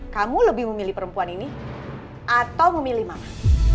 kamu lebih memilih perempuan ini atau memilih maaf